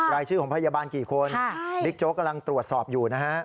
รายชื่อของพยาบาลกี่คนบิ๊กโจ๊กกำลังตรวจสอบอยู่นะฮะ